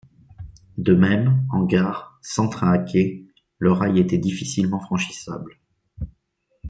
De même, en gare, sans train à quai, le rail était difficilement franchissable.